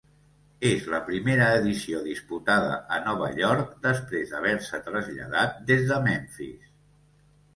És la primera edició disputada a Nova York després d'haver-se traslladat des de Memphis.